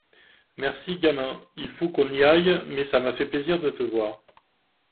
Merci, gamin, il faut qu’on y aille mais ça m’a fait plaisir de te voir.